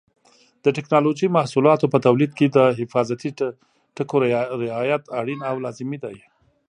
د ټېکنالوجۍ محصولاتو په تولید کې د حفاظتي ټکو رعایت اړین او لازمي دی.